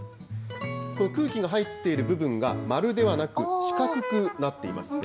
これ、空気が入っている部分が、丸ではなく四角くなっていますね。